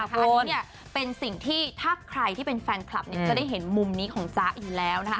อันนี้เป็นสิ่งที่ถ้าใครที่เป็นแฟนคลับจะได้เห็นมุมนี้ของจ๊ะอยู่แล้วนะคะ